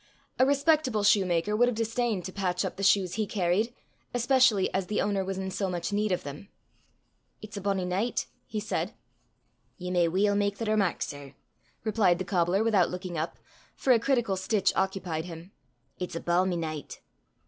A respectable shoemaker would have disdained to patch up the shoes he carried especially as the owner was in so much need of them. "It's a bonnie nicht," he said. "Ye may weel mak the remark, sir!" replied the cobbler without looking up, for a critical stitch occupied him. "It's a balmy nicht."